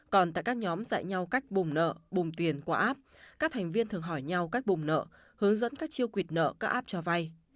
còn tại các nhóm dạy nhau cách bùng nợ bùng tiền qua app các thành viên thường hỏi nhau cách bùng nợ hướng dẫn các chiêu quyệt nợ các app cho vay